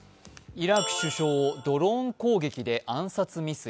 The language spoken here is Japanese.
イラク首相をドローン攻撃で暗殺未遂。